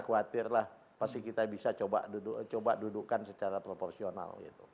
khawatirlah pasti kita bisa coba dudukkan secara proporsional